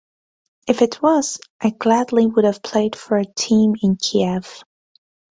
If it was, I gladly would have played for a team in Kiev.